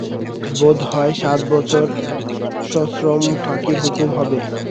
বোধ হয় সাত বছর সশ্রম ফাঁসির হুকুম হবে।